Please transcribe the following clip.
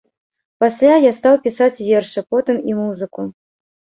Пасля я стаў пісаць вершы, потым і музыку.